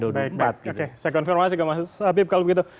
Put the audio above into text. oke saya konfirmasi ke mas habib kalau begitu